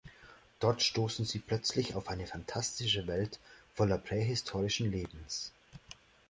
Dort stoßen sie plötzlich auf eine phantastische Welt voller prähistorischen Lebens.